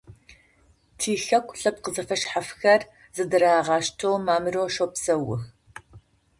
Тихэку лъэпкъ зэфэшъхьафхэр зэдырагъаштэу, мамырэу щэпсэух.